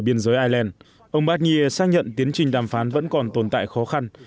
biên giới ireland ông bardnier xác nhận tiến trình đàm phán vẫn còn tồn tại khó khăn